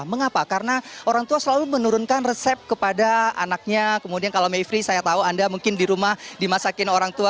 mengapa karena orang tua selalu menurunkan resep kepada anaknya kemudian kalau mayfrey saya tahu anda mungkin di rumah dimasakin orang tua